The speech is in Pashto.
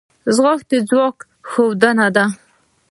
ځغاسته د ځواک ښودنه ده